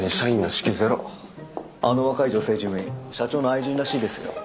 あの若い女性事務員社長の愛人らしいですよ。